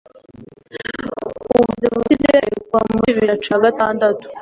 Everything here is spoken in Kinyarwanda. Uburezi bufite ireme Kuva muri bibiri na cumi na gatandatu